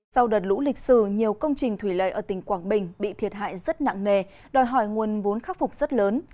sau đợt lũ lịch sử nhiều công trình thủy lợi ở tỉnh quảng bình bị thiệt hại rất nặng nề đòi hỏi nguồn vốn khắc phục rất lớn